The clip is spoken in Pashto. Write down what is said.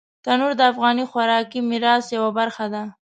تنور د افغاني خوراکي میراث یوه برخه ده